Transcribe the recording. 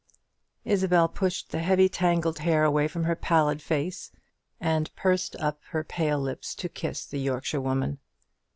Isabel pushed the heavy tangled hair away from her pallid face, and pursed up her pale lips to kiss the Yorkshire woman.